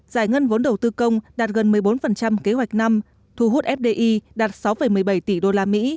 giải ngân vốn đầu tư công đạt gần một mươi bốn kế hoạch năm thu hút fdi đạt sáu một mươi bảy tỷ usd